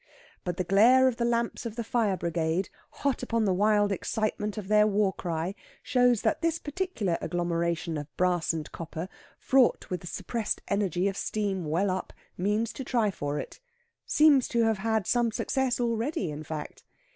But the glare of the lamps of the fire brigade, hot upon the wild excitement of their war cry, shows that this particular agglomeration of brass and copper, fraught with suppressed energy of steam well up, means to try for it seems to have had some success already, in fact.